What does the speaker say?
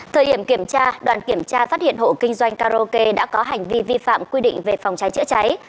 thời điểm kiểm tra đoàn kiểm tra phát hiện hộ kinh doanh karaoke đã có hành vi vi phạm quy định về phòng cháy chữa cháy